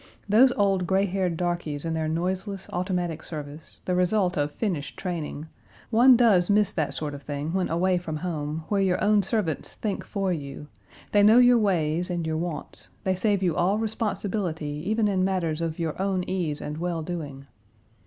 Those old gray haired darkies and their noiseless, automatic service, the result of finished training one does miss that sort of thing when away from home, where your own servants think for you; they know your ways and your wants; they save you all responsibility even in matters of your own ease and well doing.